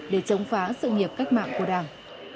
để chống phá sự nghiệp cách mạng của đảng